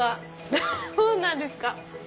どうなんですか？